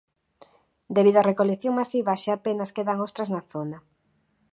Debido á recolección masiva xa apenas quedan ostras na zona.